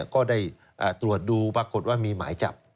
ก็ได้ตรวจดูปรากฏว่ามีหมายจับ